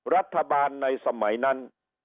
รัฐบาลในสมัยนั้น